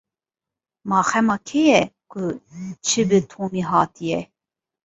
Ma xema kê ye ku çi bi Tomî hatiye?